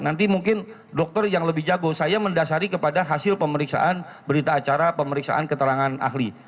nanti mungkin dokter yang lebih jago saya mendasari kepada hasil pemeriksaan berita acara pemeriksaan keterangan ahli